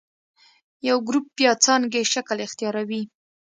د یو ګروپ یا څانګې شکل اختیاروي.